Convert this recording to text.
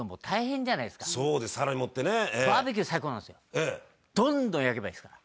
バーベキュー最高なんですよ。どんどん焼けばいいですから。